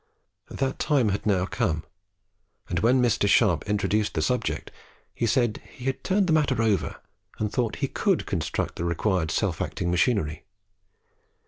That time had now come; and when Mr. Sharp introduced the subject, he said he had turned the matter over and thought he could construct the required self acting machinery.